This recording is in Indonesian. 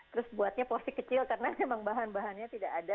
terus buatnya porsi kecil karena memang bahan bahannya tidak ada